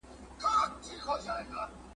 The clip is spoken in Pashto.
نوي عالمان به هم د کلاسيکانو نظريې وڅېړي.